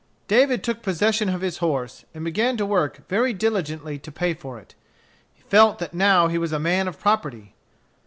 David took possession of his horse, and began to work very diligently to pay for it. He felt that now he was a man of property.